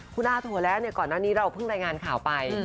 คุณอาถั่วและก่อนหน้านี้เราเพิ่งได้งานข่าวไป